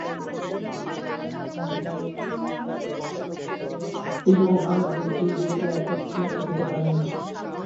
প্রেম ও ভয় দুইটি একত্র থাকিতে পারে না।